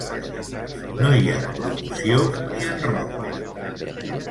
No hi ha promoció ni enroc.